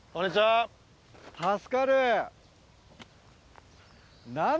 助かる！